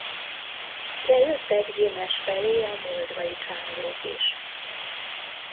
De jöttek Gyimes felé a moldvai csángók is.